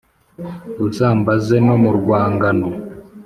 uzambaze no mu rwangano,